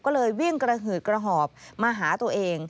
ก็เลยวิ่งกระหืดกระหอบมาหาตัวเอง